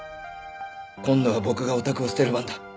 今度は僕がおたくを捨てる番だ。